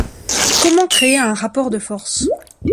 Comment créer un rapport de force?